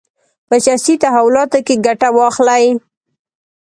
په سیاسي تحولاتو کې ګټه واخلي.